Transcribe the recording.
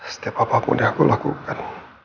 setiap apapun yang aku lakukan